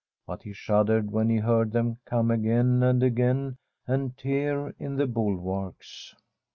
But he shuddered when he heard them come again and again, and tear in the bulwarks.